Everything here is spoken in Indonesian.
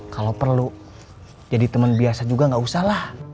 kalau perlu jadi temen biasa juga enggak usahlah